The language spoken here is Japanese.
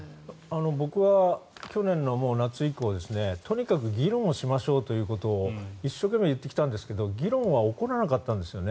僕は去年の夏以降とにかく議論をしましょうということを一生懸命言ってきたんですが議論は起こらなかったんですね。